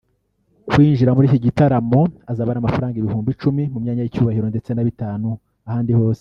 Kwinjira muri iki gitaramo azaba ari amafaranga ibihumbi icumbi mu myanya y’icyubahiro ndetse na bitanu ahandi hose